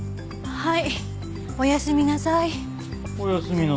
はい。